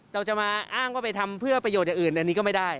เราจะมาอ้างว่าไปทำเพื่อประโยชน์อย่างอื่นอันนี้ก็ไม่ได้